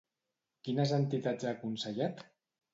Quines entitats ha aconsellat?